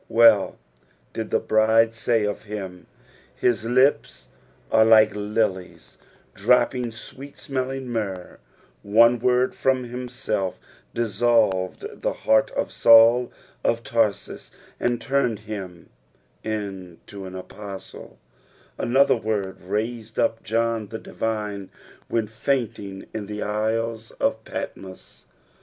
Well did the bride say of him, " his lips are like lilies dropping sweet smelling myrrh." One word from himself dissolved the heart of Saul of Tarsus, and turned bim into an ^tostle, another word raised up John the Divine when fainting in the Isle of Patmos.